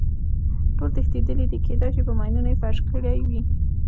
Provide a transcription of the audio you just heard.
ټول تښتېدلي دي، کېدای شي په ماینونو یې فرش کړی وي.